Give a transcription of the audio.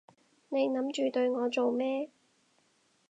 你諗住對我做咩？